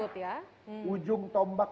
dan ujung tombak